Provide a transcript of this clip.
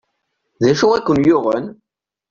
D acu i ken-yuɣen?